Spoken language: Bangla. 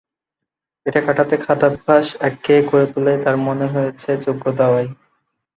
এটা কাটাতে খাদ্যাভ্যাস একঘেয়ে করে তোলাই তাঁর মনে হয়েছে যোগ্য দাওয়াই।